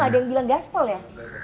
kok gak ada yang bilang gaspol ya